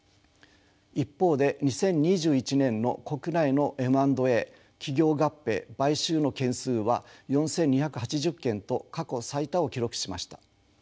一方で２０２１年の国内のＭ＆Ａ企業合併・買収の件数は４，２８０件と過去最多を記録しました。